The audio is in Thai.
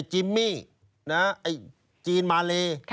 จิมมี่จีนมาเล